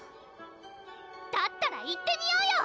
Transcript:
だったら行ってみようよ！